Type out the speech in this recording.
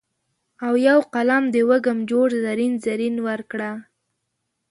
او یو قلم د وږم جوړ زرین، زرین ورکړه